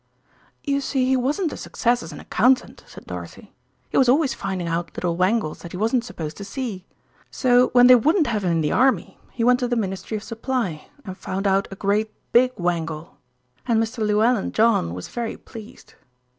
"You see, he wasn't a success as an accountant," said Dorothy. "He was always finding out little wangles that he wasn't supposed to see. So when they wouldn't have him in the army, he went to the Ministry of Supply and found out a great, big wangle, and Mr. Llewellyn John was very pleased.